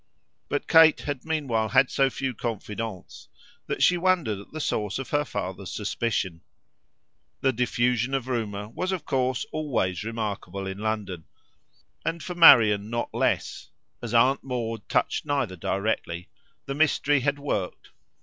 But Kate had meanwhile had so few confidants that she wondered at the source of her father's suspicions. The diffusion of rumour was of course always remarkable in London, and for Marian not less as Aunt Maud touched neither directly the mystery had worked.